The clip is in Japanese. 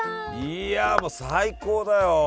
いやもう最高だよ！